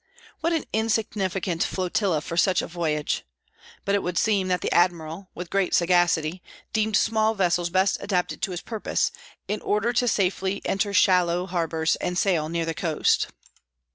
What an insignificant flotilla for such a voyage! But it would seem that the Admiral, with great sagacity, deemed small vessels best adapted to his purpose, in order to enter safely shallow harbors and sail near the coast.